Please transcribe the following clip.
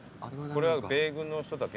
これは米軍の人だけ？